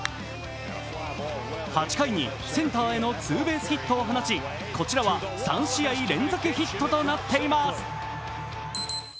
８回にセンターへのツーベースヒットを放ちこちらは３試合連続ヒットとなっています。